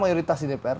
mayoritas di dpr